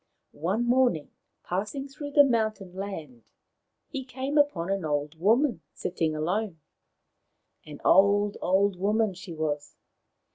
One morning, passing through the mountain land, he came upon an old woman, sitting alone. An old, old woman she was.